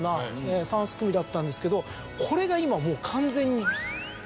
だったんですけどこれが今もう完全に。